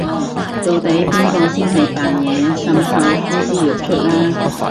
到底邊個先係扮嘢滲透呼之欲出啦